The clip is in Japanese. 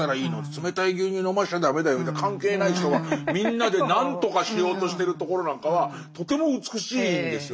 冷たい牛乳飲ましちゃ駄目だよみたいな関係ない人がみんなで何とかしようとしてるところなんかはとても美しいんですよね。